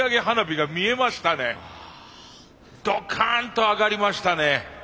ドカーンと上がりましたね。